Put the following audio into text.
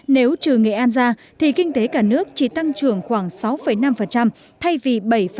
nếu trừ nghệ an ra thì kinh tế cả nước chỉ tăng trưởng khoảng sáu năm thay vì bảy tám